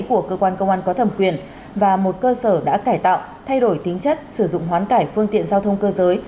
của cơ quan công an có thẩm quyền và một cơ sở đã cải tạo thay đổi tính chất sử dụng hoán cải phương tiện giao thông cơ giới